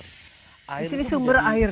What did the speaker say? disini sumber air